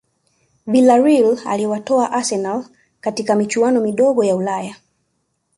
Vilareal iliwatoa arsenal kwenye michuano midogo ya ulaya